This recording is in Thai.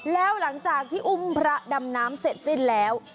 แล้วหลังจากที่อุ้มพระดำน้ำเสร็จสิ้นแล้ว